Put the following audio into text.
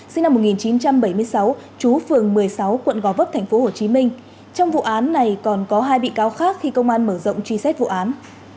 sinh năm một nghìn chín trăm bảy mươi sáu chú phường một mươi sáu quận gò vấp tp hcm trong vụ án này còn có hai bị cáo khác khi công an mở rộng truy xét vụ án